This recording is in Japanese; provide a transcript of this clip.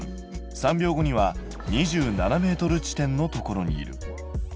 ３秒後には２７ｍ地点のところにいる。